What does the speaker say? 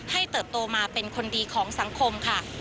เติบโตมาเป็นคนดีของสังคมค่ะ